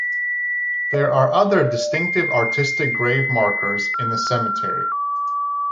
There are other distinctive artistic grave markers in the cemetery.